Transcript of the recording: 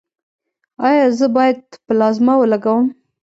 ایا زه باید پلازما ولګوم؟